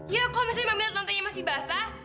ya kalau misalnya mami lihat tante omasnya masih basah